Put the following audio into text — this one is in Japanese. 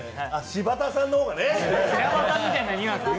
柴田さんの方がね。